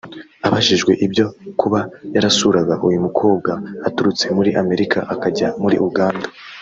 Abajijwe ibyo kuba yarasuuraga uyu mukobwa aturutse muri Amerika akajya muri Uganda